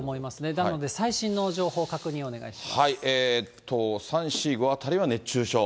なので、最新の情報、確認をお願３、４、５あたりは熱中症。